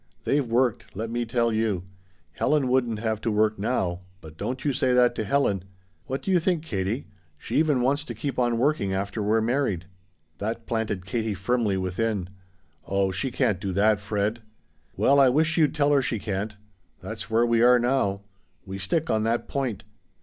They've worked let me tell you. Helen wouldn't have to work now but don't you say that to Helen! What do you think, Katie? She even wants to keep on working after we're married!" That planted Katie firmly within. "Oh, she can't do that, Fred." "Well, I wish you'd tell her she can't. That's where we are now. We stick on that point.